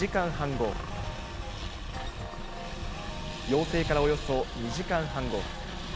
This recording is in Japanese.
要請からおよそ２時間半後。